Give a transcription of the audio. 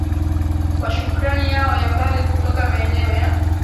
kwa shukrani yao ya mbali kutoka maeneo ya